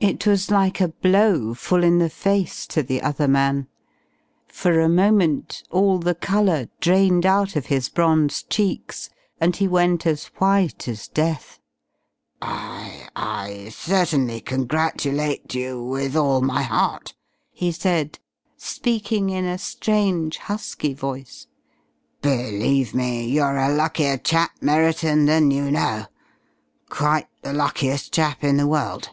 It was like a blow full in the face to the other man. For a moment all the colour drained out of his bronzed cheeks and he went as white as death. "I I certainly congratulate you, with all my heart," he said, speaking in a strange, husky voice. "Believe me, you're a luckier chap, Merriton, than you know. Quite the luckiest chap in the world."